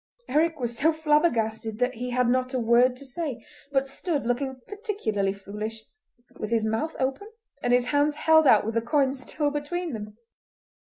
Eric was so flabbergasted that he had not a word to say, but stood looking particularly foolish, with his mouth open and his hands held out with the coin still between them.